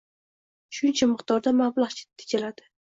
Shuncha miqdorda mablag‘ tejaladi.